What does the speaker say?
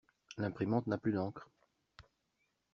L'imprimante n'a plus d'encre.